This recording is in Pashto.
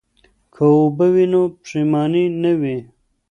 که اوبه وي نو پښیماني نه وي.